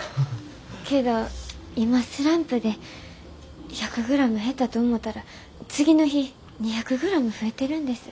けど今スランプで１００グラム減ったと思たら次の日２００グラム増えてるんです。